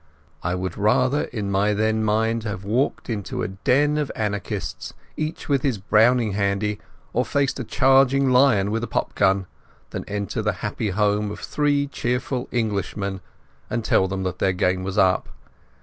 I would rather in my then mind have walked into a den of anarchists, each with his Browning handy, or faced a charging lion with a popgun, than enter that happy home of three cheerful Englishmen and tell them that their game was up.